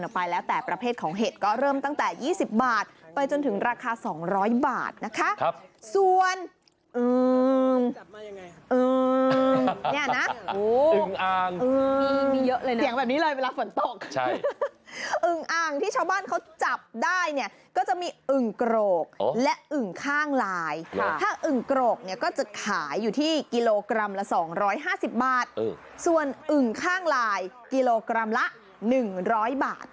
ไปแล้วแต่ประเภทของเห็ดก็เริ่มตั้งแต่๒๐บาทไปจนถึงราคา๒๐๐บาทนะคะส่วนอึงอ่างที่ชาวบ้านเขาจับได้เนี่ยก็จะมีอึงโกรกและอึงข้างลายถ้าอึงโกรกก็จะขายอยู่ที่กิโลกรัมละ๒๕๐บาทส่วนอึงข้างลายกิโลกรัมละ๑๐๐บาท